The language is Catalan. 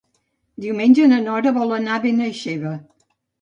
Diumenge na Nora vol anar a Benaixeve.